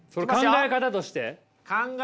考え方として。